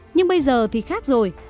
nhưng bây giờ thì khác rồi